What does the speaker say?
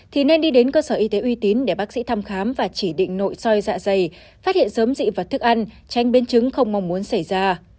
thì nên đi đến cơ sở y tế uy tín để bác sĩ thăm khám và chỉ định nội soi dạ dày phát hiện sớm dị vật thức ăn tránh biến chứng không mong muốn xảy ra